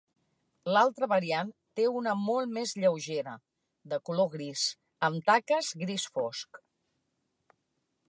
L'altra variant té una molt més lleugera, de color gris, amb taques gris fosc.